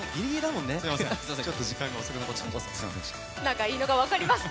仲いいのが、分かります。